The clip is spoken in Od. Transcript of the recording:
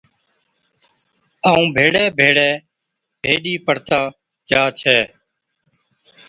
ائُون ڀيڙي ڀيڙي ڀيڏِي پڙھتا جا ڇَي